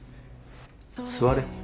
座れ。